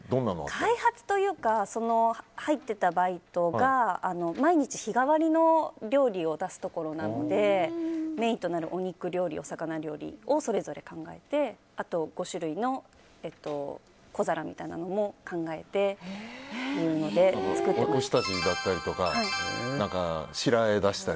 開発というか入ってたバイトが毎日、日替わりの料理を出すところなのでメインとなるお肉料理、お魚料理をそれぞれ考えて、あと５種類の小皿みたいなのも考えて作っていました。